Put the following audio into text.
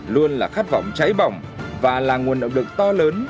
luôn là khát vọng cháy bỏng và là nguồn động lực to lớn